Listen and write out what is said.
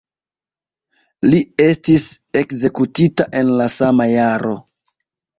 Li estis ekzekutita en la sama jaro.